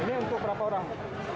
ini untuk berapa orang